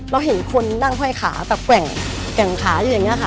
เราเห็นคนนั่งห้อยขาแบบแกว่งขาอยู่อย่างนี้ค่ะ